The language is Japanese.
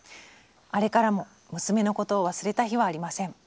あれからも娘のことを忘れた日はありません。